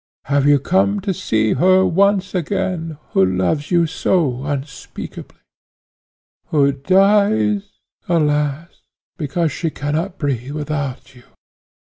Have you come to see her once again, who loves you so unspeakably, who dies, alas! because she cannot breathe without you?"